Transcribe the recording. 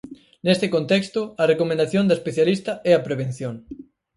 Neste contexto, a recomendación da especialista é a "prevención".